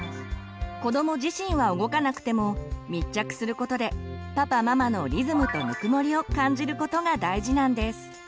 子ども自身は動かなくても密着することでパパママのリズムとぬくもりを感じることが大事なんです。